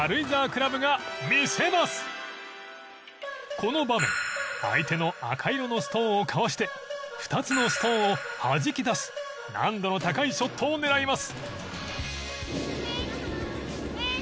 この場面相手の赤色のストーンをかわして２つのストーンをはじき出す難度の高いショットを狙います。